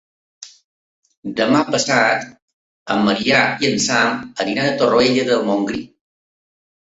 Demà passat en Maria i en Sam aniran a Torroella de Montgrí.